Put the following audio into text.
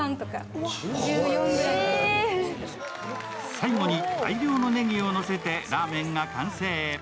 最後に大量のねぎをのせてラーメンが完成。